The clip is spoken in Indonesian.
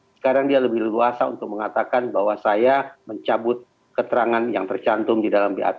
sekarang dia lebih leluasa untuk mengatakan bahwa saya mencabut keterangan yang tercantum di dalam bap